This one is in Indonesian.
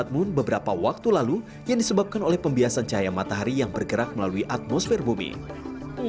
ada pula yang mengatakan sinar kehijauan ditimbulkan oleh penyelamat yang berbeda dengan penyelamat yang berbeda shelter